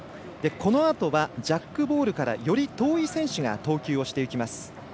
このあとはジャックボールからより遠い選手が投球をしていきます。